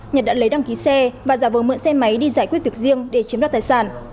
nhật đã lấy đăng ký xe và giả vờ mượn xe máy đi giải quyết việc riêng để chiếm đoạt tài sản